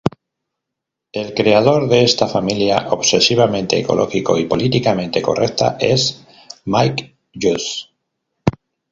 El creador de esta familia obsesivamente ecológica y políticamente correcta es Mike Judge.